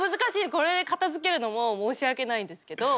これで片づけるのも申し訳ないんですけど。